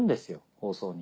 放送に。